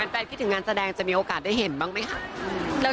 คิดถึงงานแสดงจะมีโอกาสได้เห็นบ้างไหมคะ